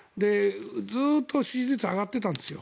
ずっと支持率上がっていたんですよ。